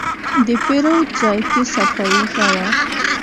د پیرود ځای کې صفایي ښه وه.